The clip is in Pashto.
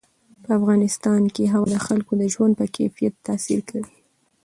په افغانستان کې هوا د خلکو د ژوند په کیفیت تاثیر کوي.